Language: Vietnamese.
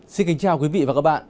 xin kính chào quý vị và các bạn